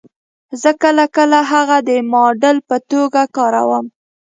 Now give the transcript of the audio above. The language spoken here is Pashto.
زه کله کله هغه د ماډل په توګه کاروم